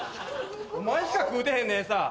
お前しか食うてへんねん餌。